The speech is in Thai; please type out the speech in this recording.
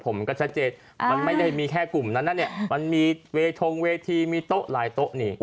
ผมก็ชัดเจนมันไม่ได้มีแค่กลุ่มนั้นนะเนี่ยมันมีเวทงเวทีมีโต๊ะหลายโต๊ะนี่